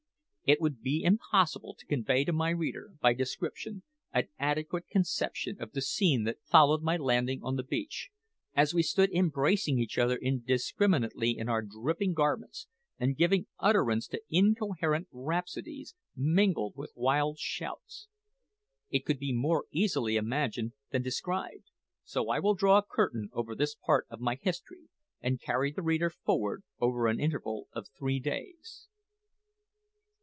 It would be impossible to convey to my reader, by description, an adequate conception of the scene that followed my landing on the beach, as we stood embracing each other indiscriminately in our dripping garments, and giving utterance to incoherent rhapsodies, mingled with wild shouts. It can be more easily imagined than described; so I will draw a curtain over this part of my history, and carry the reader forward over an interval of three days.